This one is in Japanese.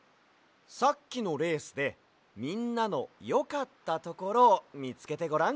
さっきのレースでみんなのよかったところをみつけてごらん。